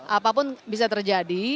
apapun bisa terjadi